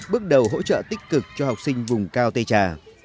bước đầu hỗ trợ tích cực cho học sinh vùng cao tây trà